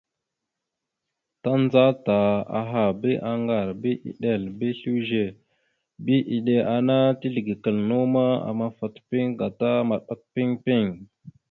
Tandzata aha bi aŋgar bi eɗel bi slʉze bi iɗeŋa ana teslekal naw ma, amafat piŋ gata maɗak piŋ piŋ.